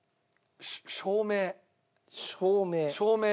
照明。